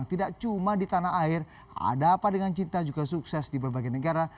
tidak cuma di tanah air ada apa dengan cinta juga sukses di berbagai negara